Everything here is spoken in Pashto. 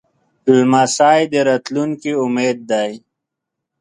لمسی د راتلونکي امید دی.